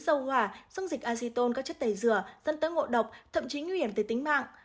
dâu hỏa dung dịch acetone các chất tẩy dừa dẫn tới ngộ độc thậm chí nguy hiểm tới tính mạng